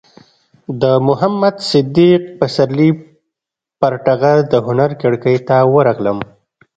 د محمد صدیق پسرلي پر ټغر د هنر کړکۍ ته ورغلم.